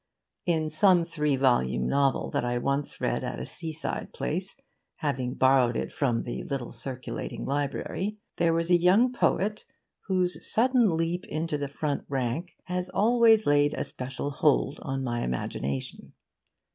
In some three volume novel that I once read at a seaside place, having borrowed it from the little circulating library, there was a young poet whose sudden leap into the front rank has always laid a special hold on my imagination.